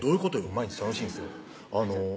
毎日楽しいんですよ